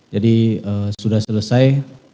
jadi sudah selesai